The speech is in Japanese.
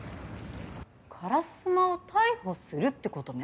烏丸を逮捕するってことね？